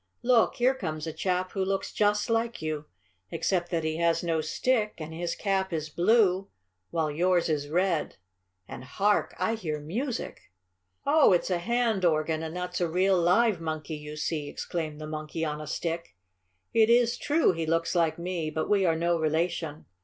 "Look, here comes a chap who looks just like you, except that he has no stick, and his cap is blue, while yours is red. And hark! I hear music!" "Oh, it's a hand organ, and that's a real, live monkey you see!" exclaimed the Monkey on a Stick. "It is true he looks like me, but we are no relation.